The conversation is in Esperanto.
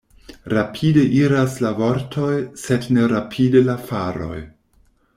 Rapide iras la vortoj, sed ne rapide la faroj.